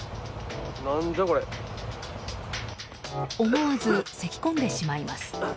思わず、せき込んでしまいます。